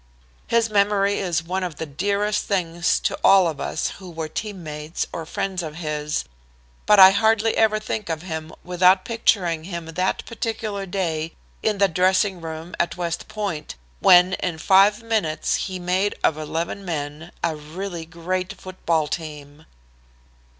His memory is one of the dearest things to all of us who were team mates or friends of his, but I hardly ever think of him without picturing him that particular day in the dressing room at West Point, when in five minutes he made of eleven men a really great football team."